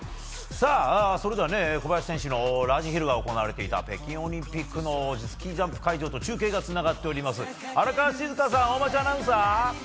さあ、それではね、小林選手のラージヒルが行われていた、北京オリンピックのスキージャンプ会場と中継がつながっております。